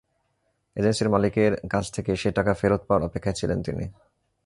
এজেন্সির মালিকের কাছ থেকে সেই টাকা ফেরত পাওয়ার অপেক্ষায় ছিলেন তিনি।